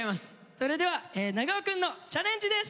それでは長尾くんのチャレンジです！